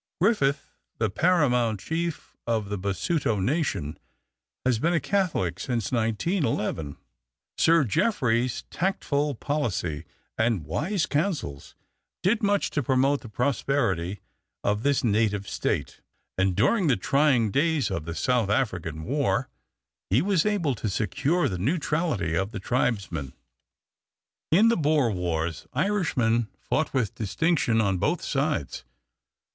Griffith, the paramount chief of the Basuto nation, has been a Catholic since 1911. Sir Geoffrey's tactful policy and wise counsels did much to promote the prosperity of this native state, and during the trying days of the South African War, he was able to secure the neutrality of the tribesmen. In the Boer wars, Irishmen fought with distinction on both sides.